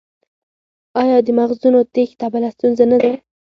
آیا د مغزونو تیښته بله ستونزه نه ده؟